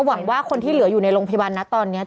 หวังว่าคนที่เหลืออยู่ในโรงพยาบาลนะตอนนี้